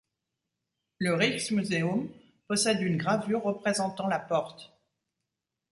Le Rijksmuseum possède une gravure représentant la porte.